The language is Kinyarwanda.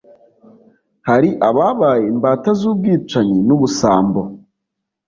hari ababaye imbata z’ubwicanyi n’ubusambo